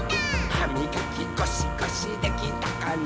「はみがきゴシゴシできたかな？」